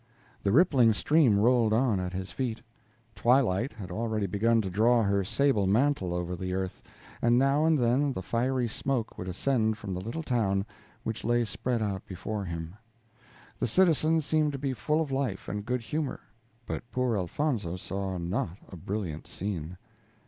The rippling stream rolled on at his feet. Twilight had already begun to draw her sable mantle over the earth, and now and then the fiery smoke would ascend from the little town which lay spread out before him. The citizens seemed to be full of life and good humor; but poor Elfonzo saw not a brilliant scene.